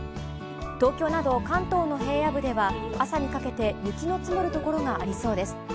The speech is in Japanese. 東京など関東の平野部では朝にかけて雪の積もるところがありそうです。